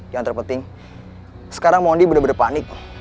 yang terpenting sekarang mondi bener bener panik